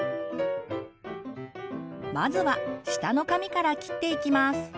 まずは下の髪から切っていきます。